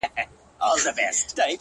گراني بس څو ورځي لاصبر وكړه’